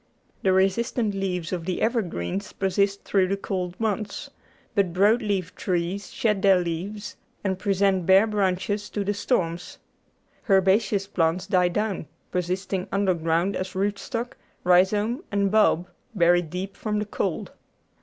The resistant leaves of the evergreens persist through the cold months, but broad leaved trees shed their leaves and present bare branches to the storms; herbaceous plants die down, persisting underground as root stock, rhizome, and bulb, buried deep from the cold.